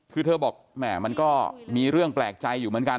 คือเธอบอกแหม่มันก็มีเรื่องแปลกใจอยู่เหมือนกัน